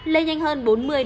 lây nhanh hơn bốn mươi sáu mươi